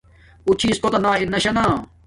اُݸ چھݵس کݸتݳ نݳ رِنݳ شݳ نݳ.